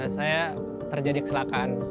saya terjadi kesalahan